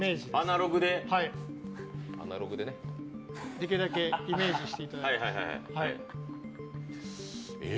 できるだけイメージしていただいて。